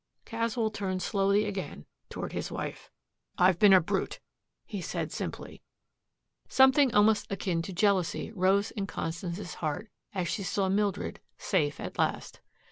Caswell turned slowly again toward his wife. "I've been a brute," he said simply. Something almost akin to jealousy rose in Constance's heart as she saw Mildred, safe at last.